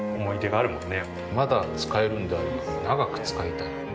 まだ使えるんであれば長く使いたい。